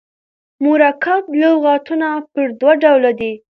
مرکب لغاتونه پر دوه ډوله دي.